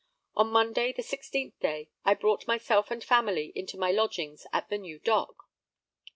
On Monday, the 16th day, I brought myself and family into my lodgings at the new dock.